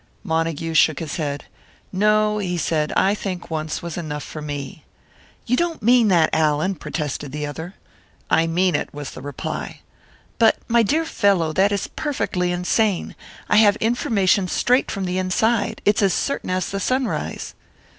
Montague shook his head. "No," he said. "I think once was enough for me." "You don't mean that, Allan!" protested the other. "I mean it," was the reply. "But, my dear fellow, that is perfectly insane! I have information straight from the inside it's as certain as the sunrise!"